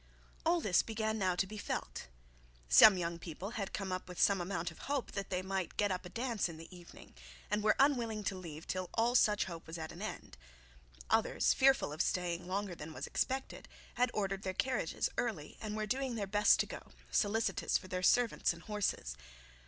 All this began now to be felt. Some young people had come with some amount of hope that they might get up a dance in the evening, and were unwilling to leave till all such hope was at an end. Others, fearful of staying longer than was expected, had ordered their carriages early, and were doing their best to go, solicitous for their servants and horses.